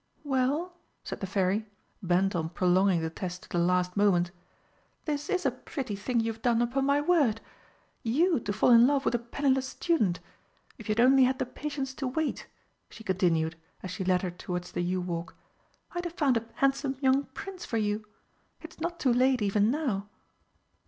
"Well," said the Fairy, bent on prolonging the test to the last moment, "this is a pretty thing you have done, upon my word! You to fall in love with a penniless student! If you had only had the patience to wait," she continued, as she led her towards the yew walk, "I'd have found a handsome young Prince for you. It's not too late, even now."